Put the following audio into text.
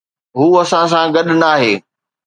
هو اسان سان گڏ ناهي.